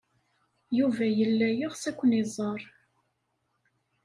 Yuba yella yeɣs ad ken-iẓer.